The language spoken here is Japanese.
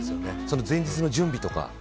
前日の準備とか。